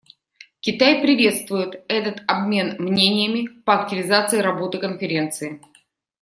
Китай приветствует этот обмен мнениями по активизации работы Конференции.